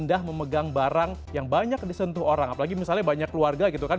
pindah memegang barang yang banyak disentuh orang apalagi misalnya banyak keluarga gitu kan